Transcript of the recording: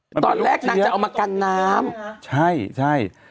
เฮ้ยตอนแรกนักจะเอามากันน้ำใช่